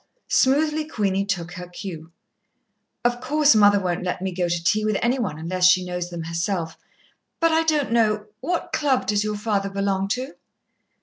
Smoothly Queenie took her cue. "Of course, mother won't let me go to tea with any one unless she knows them herself but I don't know.... What Club does your father belong to?"